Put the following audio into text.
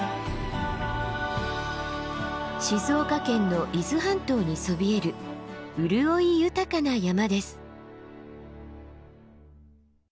静岡県の伊豆半島にそびえる潤い豊かな山です。